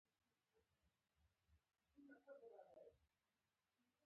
د سرو زرو او الماسو تر استخراجه پورې یې دوام پیدا کړ.